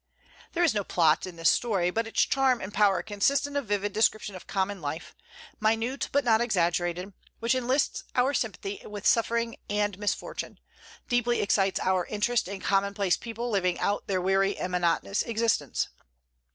There is no plot in this story, but its charm and power consist in a vivid description of common life, minute but not exaggerated, which enlists our sympathy with suffering and misfortune, deeply excites our interest in commonplace people living out their weary and monotonous existence.